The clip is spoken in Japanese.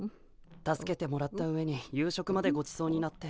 助けてもらったうえに夕食までごちそうになって。